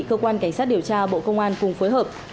cơ quan cảnh sát điều tra bộ công an cùng phối hợp